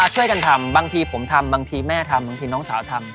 ช่วยกันทำบางทีผมทำบางทีแม่ทำบางทีน้องสาวทำ